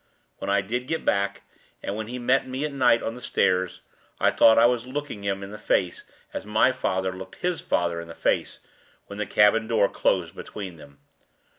When I did get back, and when he met me at night on the stairs, I thought I was looking him in the face as my father looked his father in the face when the cabin door closed between them.